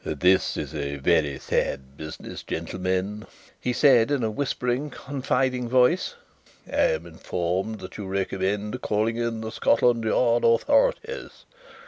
"This is a very sad business, gentlemen," he said, in a whispering, confiding voice. "I am informed that you recommend calling in the Scotland Yard authorities.